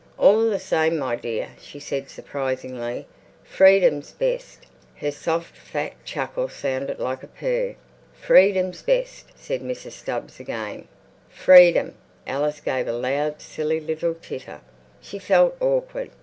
"All the same, my dear," she said surprisingly, "freedom's best!" Her soft, fat chuckle sounded like a purr. "Freedom's best," said Mrs. Stubbs again. Freedom! Alice gave a loud, silly little titter. She felt awkward.